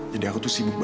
jadi aku tuh sibuk banget